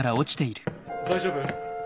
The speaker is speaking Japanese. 大丈夫？